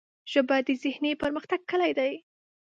ژبه د ذهني پرمختګ کلۍ ده